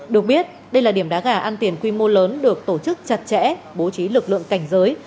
được biết đây là điểm đá gà ăn tiền quy mô lớn được tổ chức chặt chẽ bố trí lực lượng cảnh giới